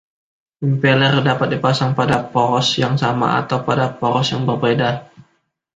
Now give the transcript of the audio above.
Impeler dapat dipasang pada poros yang sama atau pada poros yang berbeda.